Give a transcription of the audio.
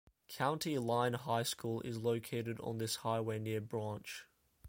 County Line High School is located on this highway near Branch.